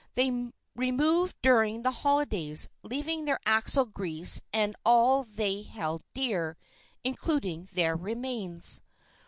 They removed during the holidays, leaving their axle grease and all they held dear, including their remains.